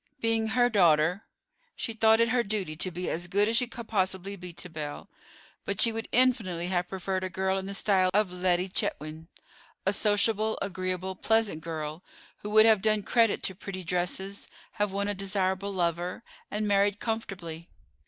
Being her daughter she thought it her duty to be as good as she could possibly be to Belle, but she would infinitely have preferred a girl in the style of Lettie Chetwynd, a sociable, agreeable, pleasant girl, who would have done credit to pretty dresses, have won a desirable lover, and married comfortably.